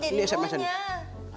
iya iya dari pohonnya